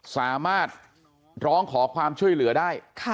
สามารถร้องขอความช่วยเหลือได้